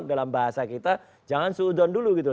dalam bahasa kita jangan seudon dulu gitu